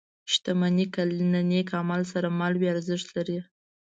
• شتمني که له نېک عمل سره مل وي، ارزښت لري.